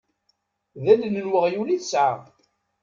D allen n weɣyul i tesɛa.